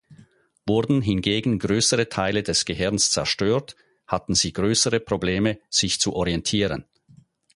Wurden hingegen größere Teile des Gehirns zerstört, hatten sie größere Probleme sich zu orientieren.